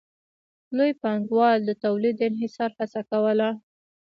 لوی پانګوال د تولید د انحصار هڅه کوله